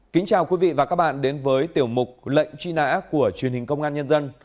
kính chào quý vị và các bạn đến với tiểu mục lệnh truy nã của truyền hình công an nhân dân